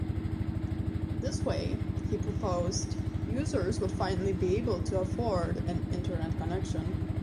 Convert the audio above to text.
This way, he proposed, users would finally be able to afford an Internet connection.